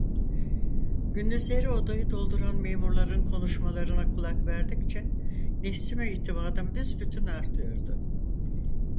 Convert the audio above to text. Gündüzleri odayı dolduran memurların konuşmalarına kulak verdikçe nefsime itimadım büsbütün artıyordu.